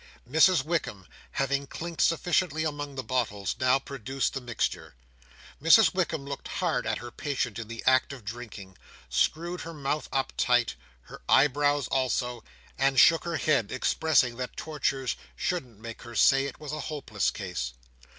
Mrs Wickam having clinked sufficiently among the bottles, now produced the mixture. Mrs Wickam looked hard at her patient in the act of drinking, screwed her mouth up tight, her eyebrows also, and shook her head, expressing that tortures shouldn't make her say it was a hopeless case.